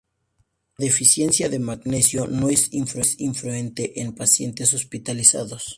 La deficiencia de magnesio no es infrecuente en pacientes hospitalizados.